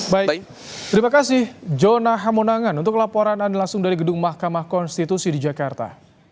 baik terima kasih jona hamonangan untuk laporan anda langsung dari gedung mahkamah konstitusi di jakarta